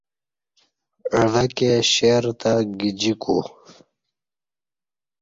عوہ کی شیر تہ گجیکو